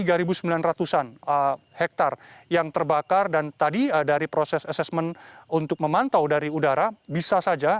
tiga ribu sembilan ratus an hektar yang terbakar dan tadi dari proses assessment untuk memantau dari udara bisa saja